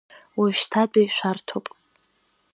Уажәшьҭатәи шәарҭоуп.